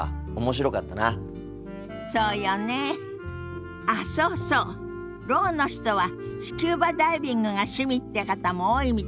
ろうの人はスキューバダイビングが趣味って方も多いみたいなの。